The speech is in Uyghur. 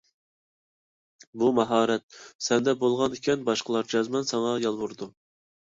بۇ ماھارەت سەندە بولغان ئىكەن، باشقىلار جەزمەن ساڭا يالۋۇرىدۇ.